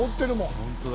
本当だ。